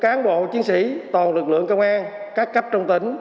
còn nữa đối với cán bộ chiến sĩ toàn lực lượng công an các cấp trong tỉnh